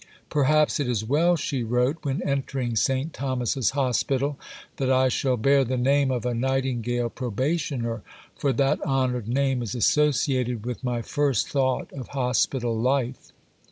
"Perhaps it is well," she wrote, when entering St. Thomas's Hospital, "that I shall bear the name of a 'Nightingale Probationer,' for that honoured name is associated with my first thought of hospital life.